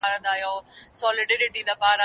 زه اوس سبزیجات تياروم!.